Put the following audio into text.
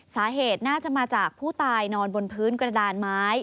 สาเหตุน่าจะมาจากผู้ตายนอนบนพื้นกระดานไม้